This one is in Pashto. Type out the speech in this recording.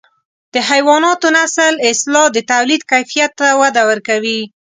د حیواناتو نسل اصلاح د توليد کیفیت ته وده ورکوي.